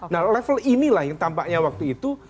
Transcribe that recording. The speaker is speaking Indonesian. nah level inilah yang tampaknya waktu itu